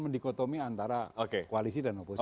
mendikotomi antara koalisi dan oposisi